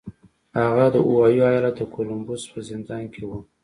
هغه د اوهايو ايالت د کولمبوس په زندان کې و.